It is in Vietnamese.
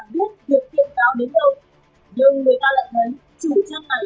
từ một giáo sứ đối tỉnh tân